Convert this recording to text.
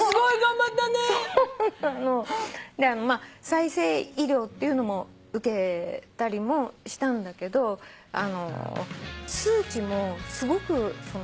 再生医療っていうのも受けたりもしたんだけど数値もすごく下がったね。